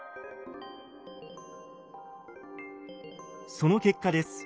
その結果です。